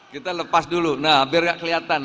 kita lepas dulu nah biar gak kelihatan